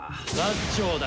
長だ。